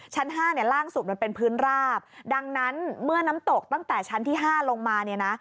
ห้าเนี่ยล่างสุดมันเป็นพื้นราบดังนั้นเมื่อน้ำตกตั้งแต่ชั้นที่ห้าลงมาเนี่ยนะ